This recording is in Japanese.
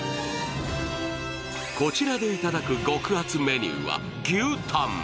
こちらでいただく極厚メニューは牛タン。